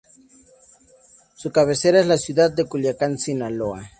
Su cabecera es la ciudad de Culiacán, Sinaloa.